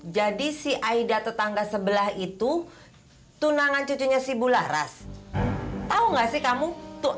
jadi si aida tetangga sebelah itu tunangan cucunya si bularas tahu nggak sih kamu tuh